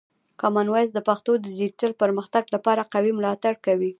کامن وایس د پښتو د ډیجیټل پرمختګ لپاره قوي ملاتړ کوي.